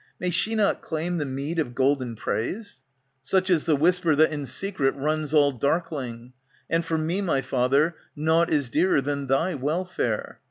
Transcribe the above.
May she not claim the meed of golden praise ?" Such is the whisper that in secret runs ^^ All darkling. And for me, my father, nought Is dearer than thy welfare.